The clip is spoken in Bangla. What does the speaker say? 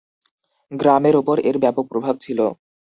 গ্রামের ওপর এর ব্যাপক প্রভাব ছিল।